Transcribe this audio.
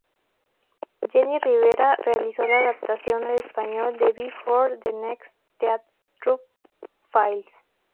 Jenni Rivera realizó la adaptación al español de "Before the next teardrop falls"